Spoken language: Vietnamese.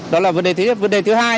đó là vấn đề thứ hai